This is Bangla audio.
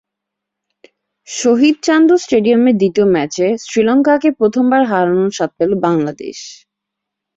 শহীদ চান্দু স্টেডিয়ামের দ্বিতীয় ম্যাচে শ্রীলঙ্কাকে প্রথমবার হারানোর স্বাদ পেল বাংলাদেশ।